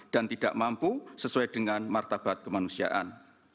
dan tidak mampu sesuai dengan martabat kemanusiaan